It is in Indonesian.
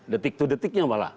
detik to detiknya malah